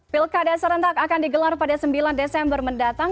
pilkada serentak akan digelar pada sembilan desember mendatang